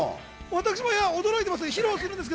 私も驚いてます。